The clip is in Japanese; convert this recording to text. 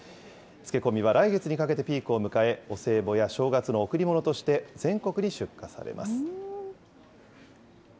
漬け込みは来月にかけてピークを迎え、お歳暮や正月の贈り物として、全国に出荷されます。